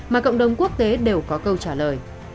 mà cộng đồng quốc tế đều có câu trả lời